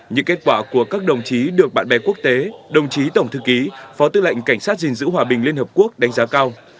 những kết quả của các đồng chí được bạn bè quốc tế đồng chí tổng thư ký phó tư lệnh cảnh sát gìn giữ hòa bình liên hợp quốc đánh giá cao